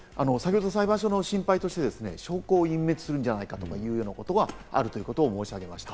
裁判所の心配として、証拠を隠滅するんじゃないかということがあるということを申し上げました。